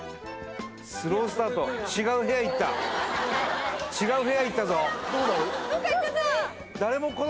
スロースタート違う部屋行った違う部屋行ったぞどこだ？